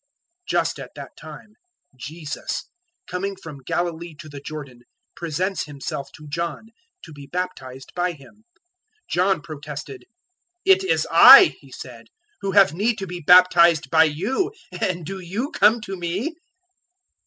003:013 Just at that time Jesus, coming from Galilee to the Jordan, presents Himself to John to be baptized by him. 003:014 John protested. "It is I," he said, "who have need to be baptized by you, and do you come to me?"